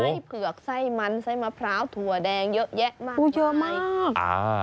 มีไส้เผือกไส้มันไส้มะพร้าวถั่วแดงเยอะแยะมาก